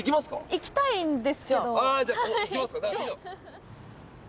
行きたいんですけど。